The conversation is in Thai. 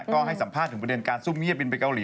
ก็ให้สัมภาษณ์ถึงประเด็นการซุ่มเงียบบินไปเกาหลี